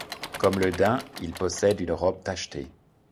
Comme le daim, il possède une robe tachetée.